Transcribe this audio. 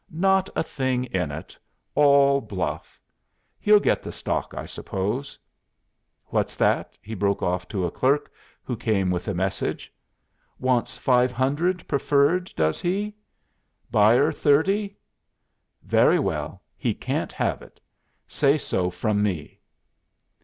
Not a thing in it! All bluff. He'll get the stock, I suppose. What's that?' he broke off to a clerk who came with a message. 'Wants 500 preferred does he? Buyer 30? Very well, he can't have it. Say so from me.